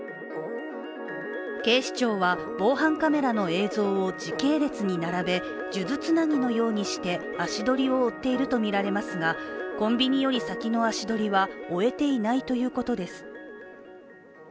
警視庁は防犯カメラの映像を時系列に並び数珠つなぎのようにして、足取りを追っているとみられますがコンビニより先の足取りは終えていないということです。